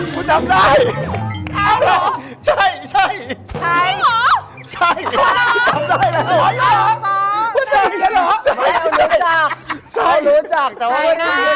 ผมจำได้เลย